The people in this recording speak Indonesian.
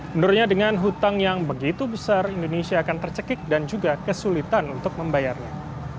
menurutnya dengan hutang yang begitu besar indonesia akan tercekik dan juga kesulitan untuk membayarnya